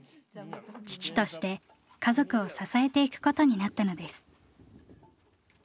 父として家族を支えていくことになったのです。